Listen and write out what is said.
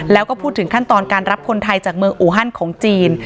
แล้วก็พูดถึงขั้นตอนการรับคนไทยจากเมืองอูฮันของจีน